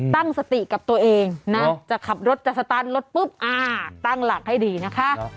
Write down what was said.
ตั้งสติกับตัวเองนะจะขับรถจะสตาร์ทรถปุ๊บอ่าตั้งหลักให้ดีนะคะ